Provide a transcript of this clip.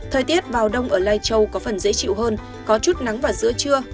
thời tiết vào đông ở lai châu có phần dễ chịu hơn có chút nắng vào giữa trưa